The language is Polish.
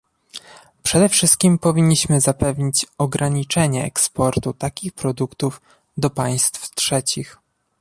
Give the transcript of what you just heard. Przede wszystkim powinniśmy zapewnić ograniczenie eksportu takich produktów do państw trzecich